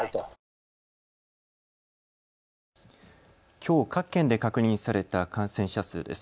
きょう各県で確認された感染者数です。